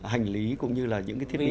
hành lý cũng như là những cái thiết bị